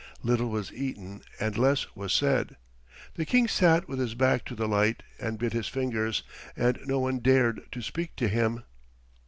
Little was eaten and less was said. The King sat with his back to the light and bit his fingers, and no one dared to speak to him.